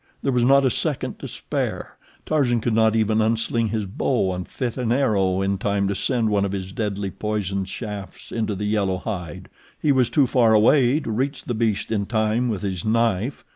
There was not a second to spare. Tarzan could not even unsling his bow and fit an arrow in time to send one of his deadly poisoned shafts into the yellow hide. He was too far away to reach the beast in time with his knife.